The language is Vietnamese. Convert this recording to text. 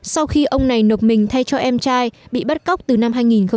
sau khi ông này nộp mình thay cho em trai bị bắt cóc từ năm hai nghìn một mươi